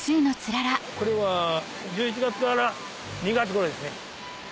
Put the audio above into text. これは１１月から２月ごろですね。